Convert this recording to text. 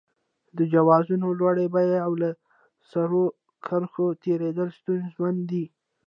د جوازونو لوړې بیې او له سرو کرښو تېرېدل ستونزمن دي.